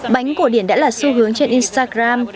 bánh cổ điển đã là xu hướng trên instagram